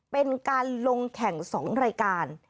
เป็นการลงแข่ง๒รายการ